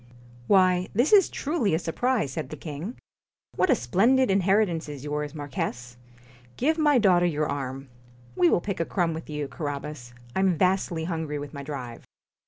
'Why, this is truly a surprise,' said the king. 'What a splendid inheritance is yours, Marquis! Give my daughter your arm. We will pick a crumb with you, Carabas. I 'm vastly hungry with my drive.'